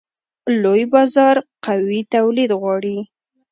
لوی بازار قوي تولید غواړي.